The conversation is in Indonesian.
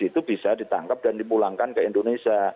itu bisa ditangkap dan dipulangkan ke indonesia